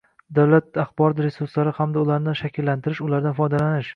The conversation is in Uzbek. Davlat axborot resurslari hamda ularni shakllantirish, ulardan foydalanish